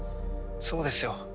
そうですよ。